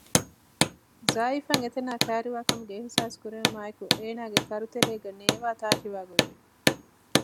ޒާއިފް އަށް އެތަނާ ކައިރިވާކަމުގެ އިހްސާސް ކުރެވުމާއި އެކު އޭނާގެ ކަރުތެރޭގައި ނޭވާ ތާށިވާ ގޮތްވި